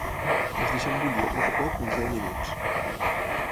Els deixem bullir a poc a poc uns deu minuts.